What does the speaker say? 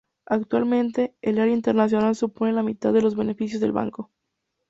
Actualmente, el área internacional supone la mitad de los beneficios del banco.